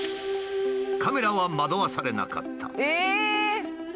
カメラは惑わされなかった。